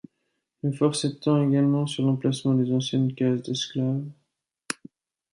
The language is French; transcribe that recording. Le fort s'étend également sur l'emplacement des anciennes cases d'esclaves.